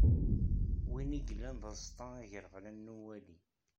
Win i yellan d aẓeṭṭa agraɣlan n uwali.